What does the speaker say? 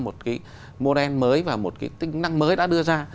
một cái model mới và một cái tính năng mới đã đưa ra